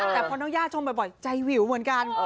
แต่พอน้องย่าชมบ่อยใจวิวเหมือนกัน